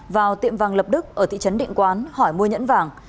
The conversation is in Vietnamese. vào tiệm vàng lập đức ở thị trấn định quán hỏi mua nhẫn vàng